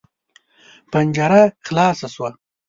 پنجره خلاصه شوه.